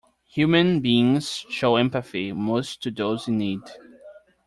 Human beings show empathy most to those in need.